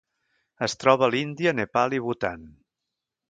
Es troba a l'Índia, Nepal i Bhutan.